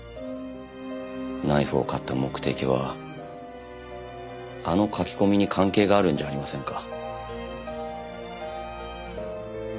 ナイフを買った目的はあの書き込みに関係があるんじゃありませんか？